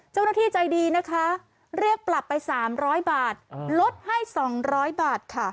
เจ้าหน้าที่ใจดีนะคะเรียกปรับไป๓๐๐บาทลดให้๒๐๐บาทค่ะ